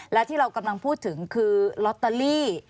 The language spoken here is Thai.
และที่เรากำลังพูดถึงคือลอตเตอรี่